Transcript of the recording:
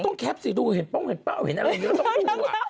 ก็ต้องแคปสิดูเห็นป้องเห็นเปล่าเห็นอะไรอยู่แล้วต้องดู